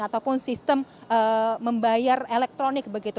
ataupun sistem membayar elektronik begitu